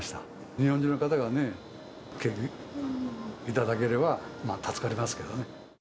日本人の方がね、来ていただければ助かりますけどね。